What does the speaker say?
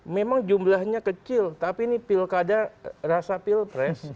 memang jumlahnya kecil tapi ini pilkada rasa pilpres